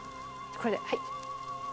これではい。